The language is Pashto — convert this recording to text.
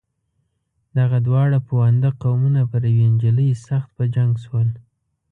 دغه دواړه پوونده قومونه پر یوې نجلۍ سخت په جنګ شول.